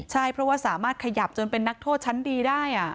ใช่เพราะว่าสามารถขยับจนเป็นนักโทษชั้นดีได้